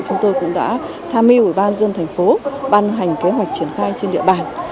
chúng tôi cũng đã tham mưu ủy ban dân thành phố ban hành kế hoạch triển khai trên địa bàn